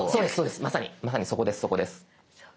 まさにまさにそこですそこです。